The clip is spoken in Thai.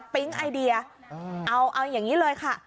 ไอเดียเอาอย่างนี้เลยค่ะ